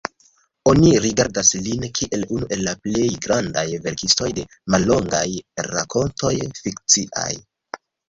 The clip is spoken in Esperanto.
Oni rigardas lin kiel unu el la plej grandaj verkistoj de mallongaj rakontoj fikciaj.